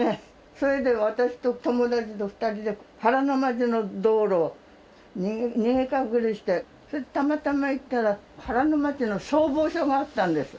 それで私と友達と２人で原町の道路を逃げ隠れしてそれでたまたま行ったら原町の消防署があったんです。